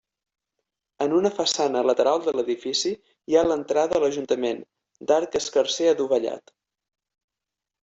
En una façana lateral de l'edifici hi ha l'entrada a l'ajuntament, d'arc escarser adovellat.